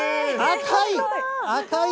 赤い！